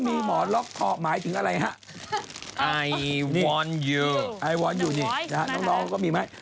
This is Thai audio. มีหมอนล็อกทอหมายถึงอะไรฮะไอวอนยูไอวอนยูนี่น้องน้องเขาก็มีไหม